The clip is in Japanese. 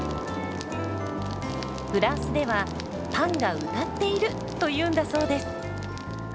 フランスでは「パンが歌っている！」というんだそうです。